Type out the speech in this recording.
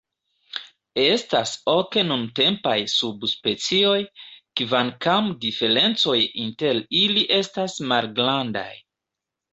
Estas ok nuntempaj subspecioj, kvankam diferencoj inter ili estas malgrandaj.